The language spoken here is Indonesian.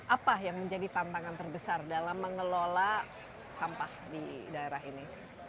apa yang menjadi tantangan terbesar dalam mengelola sampah di daerah ini